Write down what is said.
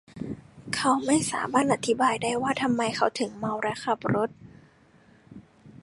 เขาไม่สามารถอธิบายได้ว่าทำไมเขาถึงเมาและขับรถ